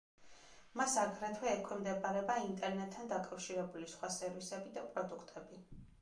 მას აგრეთვე ექვემდებარება ინტერნეტთან დაკავშირებული სხვა სერვისები და პროდუქტები.